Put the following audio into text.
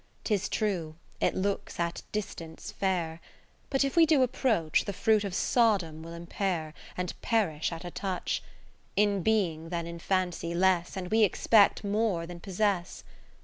II 'Tis true, it looks at distance fair; But if we do approach, The fruit of Sodom will impair, And perish at a touch : 10 In being than in fancy less. And we expect more than possess.